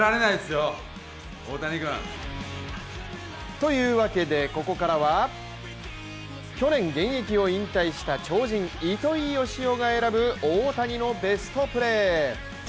というわけでここからは去年現役を引退した超人・糸井嘉男が選ぶ大谷のベストプレー。